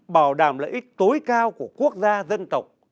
bảo đảm lợi ích tối cao của quốc gia dân tộc